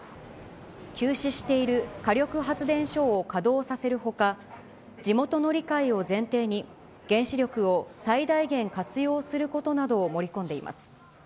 休止している火力発電所を稼働させるほか、地元の理解を前提に、原子力を最大限活用することなどを盛り込んでいます。